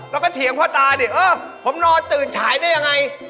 แล้วก็เถียงพ่อตาดิเออผมนอนตื่นฉายได้ยังไง